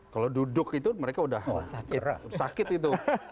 kalau duduk itu mereka sudah sakit